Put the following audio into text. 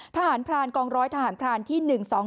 ทหารพรานกองร้อยทหารพรานที่๑๒๒